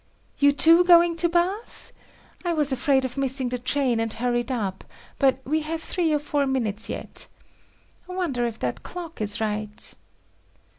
"You too going to bath? I was afraid of missing the train and hurried up, but we have three or four minutes yet. Wonder if that clock is right?"